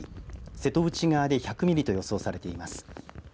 瀬戸内側で１００ミリと予想されています。